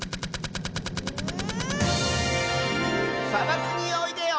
「さばくにおいでよ」